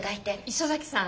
磯崎さん